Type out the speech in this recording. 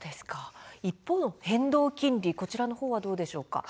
一方の変動金利こちらの方はどうなんでしょうか。